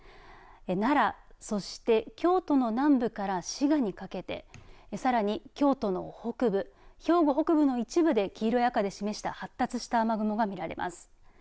奈良、そして京都の南部から滋賀にかけてさらに京都の北部兵庫北部の一部で黄色や赤で示した発達した雨雲が見られます。